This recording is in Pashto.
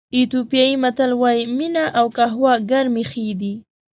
ایتیوپیایي متل وایي مینه او قهوه ګرمې ښې دي.